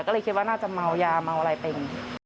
ก็เลยคิดว่าน่าจะเมายาเมาอะไรเป็น